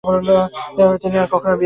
এরপর তিনি আর কখনও বিয়ে করেননি।